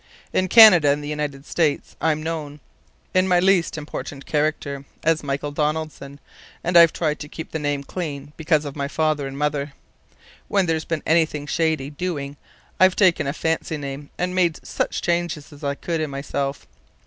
In Canada and the United States I'm known in my least important character as Michael Donaldson, and I've tried to keep the name clean because of my father and mother. When there's been anything shady doing I've taken a fancy name and made such changes as I could in myself.